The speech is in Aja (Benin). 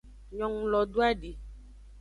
Nyongulo doadi.